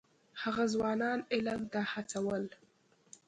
هغه ځوانان علم ته هڅول.